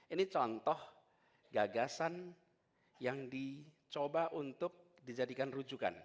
ini contoh gagasan yang dicoba untuk dijadikan rujukan